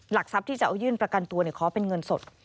ทรัพย์ที่จะเอายื่นประกันตัวขอเป็นเงินสด